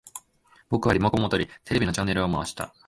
僕はリモコンを取り、テレビのチャンネルを回した